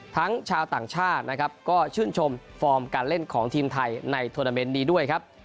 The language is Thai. ทั้งชาวต่างชาตินะครับก็ชื่นชมฟอร์มการเล่นของทีมไทยในโทรนาเมนต์นี้ด้วยครับ